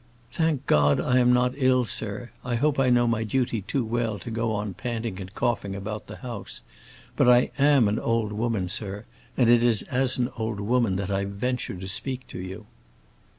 "Thank God I am not ill, sir; I hope I know my duty too well to go panting and coughing about the house. But I am an old woman, sir, and it is as an old woman that I venture to speak to you."